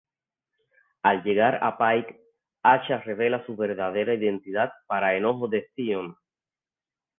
Al llegar a Pyke, Asha revela su verdadera identidad para enojo de Theon.